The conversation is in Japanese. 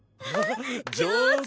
上手！